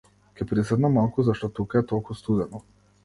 Ќе приседнам малку зашто тука е толку студено.